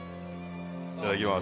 いただきます。